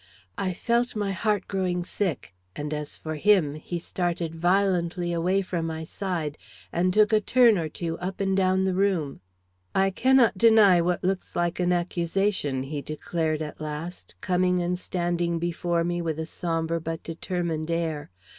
I felt, my heart growing sick, and as for him, he started violently away from my side, and took a turn or two up and down the room. "I cannot deny what looks like an accusation," he declared at last, coming and standing before me with a sombre but determined air.